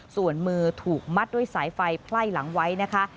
ส่วนมือถูกมัดด้วยสายไฟไพ่หลังไว้นะคะ